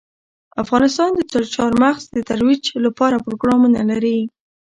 افغانستان د چار مغز د ترویج لپاره پروګرامونه لري.